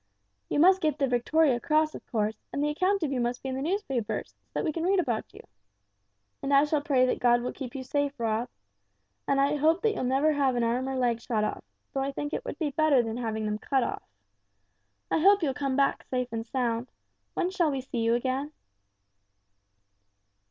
You must get the Victoria Cross, of course, and the account of you must be in the newspapers, so that we can read about you. And I shall pray that God will keep you safe, Rob. I hope you'll never have an arm or leg shot off, though I think that would be better than having them cut off. I hope you'll come back safe and sound. When shall we see you again?"